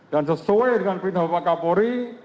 dan sesuai dengan perintah bapak kapolri